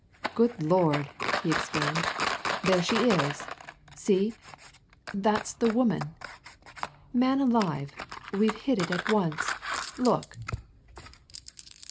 "Good Lord!" he exclaimed. "There she is! See? That's the woman. Man alive, we've hit it at once! Look!"